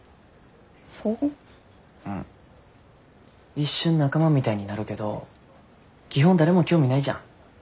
一瞬仲間みたいになるけど基本誰も興味ないじゃん。